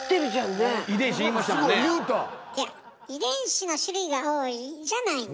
いや「遺伝子の種類が多い」じゃないんです。